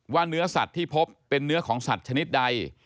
เนื้อสัตว์ที่พบเป็นเนื้อของสัตว์ชนิดใด